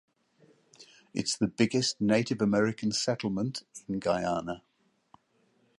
It’s the biggest Native American settlement in Guyana.